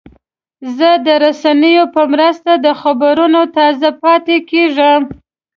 زه د رسنیو په مرسته د خبرونو تازه پاتې کېږم.